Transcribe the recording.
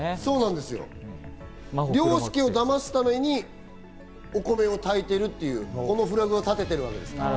凌介を騙すために、お米を炊いているっていうフラグを立てているわけです。